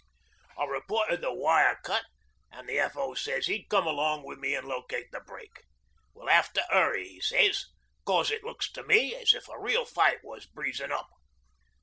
'I reported the wire cut an' the F.O. sez he'd come along wi' me an' locate the break. "We'll have to hurry," he says, "cos it looks to me as if a real fight was breezin' up."